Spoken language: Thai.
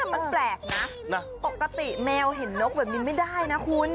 มันแปลกนะปกติแมวเห็นนกแบบนี้ไม่ได้นะคุณ